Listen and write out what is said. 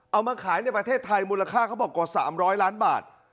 เอามาขายในประเทศไทยมูลค่าเขาบอกกว่า๓๐๐ล้านบาท